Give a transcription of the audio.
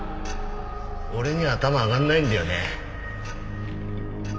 俺には頭上がらないんだよね。